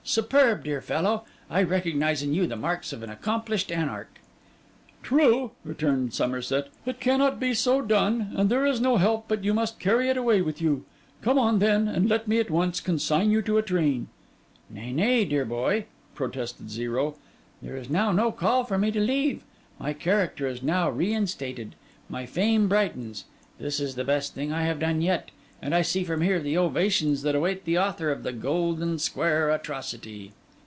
Superb, dear fellow! I recognise in you the marks of an accomplished anarch.' 'True!' returned Somerset. 'It cannot so be done; and there is no help but you must carry it away with you. Come on, then, and let me at once consign you to a train.' 'Nay, nay, dear boy,' protested Zero. 'There is now no call for me to leave. My character is now reinstated; my fame brightens; this is the best thing I have done yet; and I see from here the ovations that await the author of the Golden Square Atrocity.